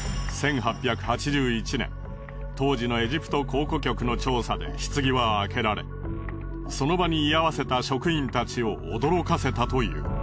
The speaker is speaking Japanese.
当時のエジプト考古局の調査で棺は開けられその場に居合わせた職員たちを驚かせたという。